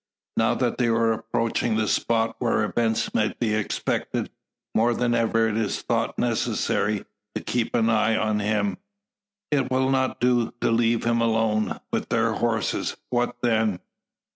Now that they are approaching the spot where events may be expected, more than ever is it thought necessary to keep an eye on him. It will not do to leave him alone, with their horses. What then?